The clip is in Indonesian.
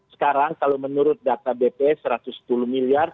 sekarang kalau menurut data bp satu ratus sepuluh miliar